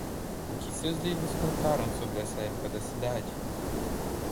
O que seus livros contaram sobre essa época da cidade?